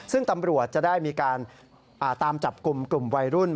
ซึ่งตำรวจจะได้มีการตามจับกลุ่มกลุ่มวัยรุ่น